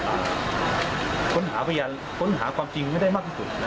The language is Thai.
และที่จะค้นหาไปกันค้นหาความจริงได้มากที่สุด